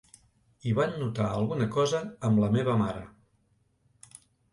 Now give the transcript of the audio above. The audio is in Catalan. I van notar alguna cosa amb la meva mare.